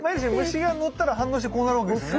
虫がのったら反応してこうなるわけですよね。